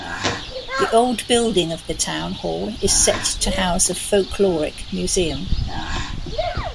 The old building of the town hall is set to house a Folkloric Museum.